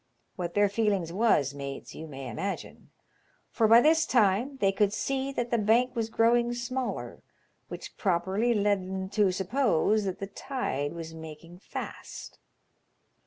What their feelings was, mates, you may imagine. For by this time they could see that the bank was growing smaller, which properly led 'em to suppose that the tide was making fast.